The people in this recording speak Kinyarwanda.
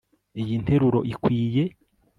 Iyi nteruro ikwiye